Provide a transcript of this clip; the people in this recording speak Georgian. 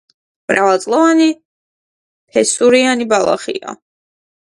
მრავალწლოვანი ფესურიანი ბალახია.